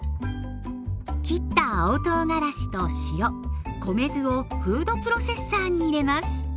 切った青とうがらしと塩米酢をフードプロセッサーに入れます。